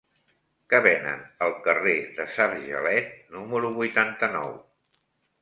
Què venen al carrer de Sargelet número vuitanta-nou?